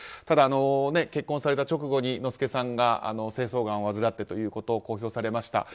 ただ、結婚された直後にＮｏｓｕｋｅさんが精巣がんを患ってということを公表されました。